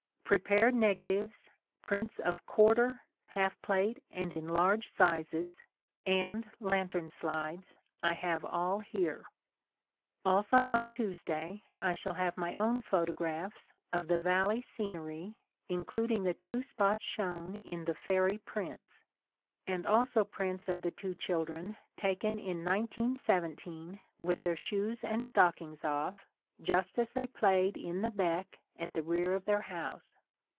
Prepared negatives, prints of quarter, half plate, and enlarged sizes, and lantern slides, I have all here. Also on Tuesday I shall have my own photographs of the valley scenery includ ing the two spots shown in the fairy prints, and also prints of the two children taken in 1917 with their shoes and stockings off, just as they played in the beck at the rear of their house.